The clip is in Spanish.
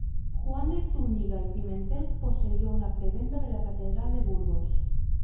Juan de Zúñiga y Pimentel poseyó una prebenda de la catedral de Burgos.